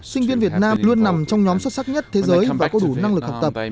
sinh viên việt nam luôn nằm trong nhóm xuất sắc nhất thế giới và có đủ năng lực học tập